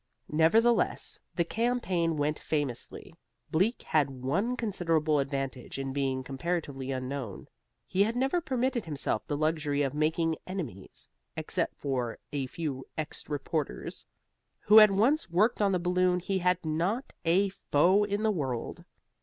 Nevertheless, the campaign went famously. Bleak had one considerable advantage in being comparatively unknown. He had never permitted himself the luxury of making enemies: except for a few ex reporters who had once worked on the Balloon he had not a foe in the world.